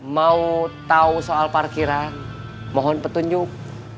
mau tahu soal parkiran mohon petunjuk